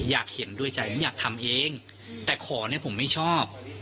อยากเห็นด้วยใจผมอยากทำเองแต่ขอเนี่ยผมไม่ชอบ